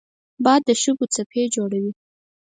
باد د شګو څپې جوړوي